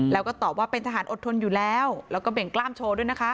แล้วก็ตอบว่าเป็นทหารอดทนอยู่แล้วแล้วก็เบ่งกล้ามโชว์ด้วยนะคะ